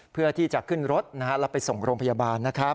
เพื่อที่จะขึ้นรถแล้วไปส่งโรงพยาบาลนะครับ